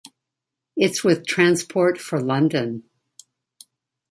It's with Transport for London.